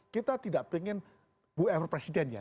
kita tidak ingin whoever presiden ya